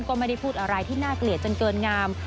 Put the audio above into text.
ก็ไม่ได้พูดอะไรที่น่าเกลียดจนเกินงาม